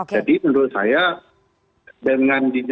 jadi menurut saya dengan